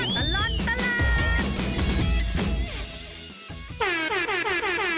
ชั่วตลอดตลาด